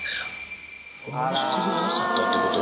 申し込みがなかったってこと？